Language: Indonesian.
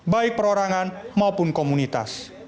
baik perorangan maupun komunitas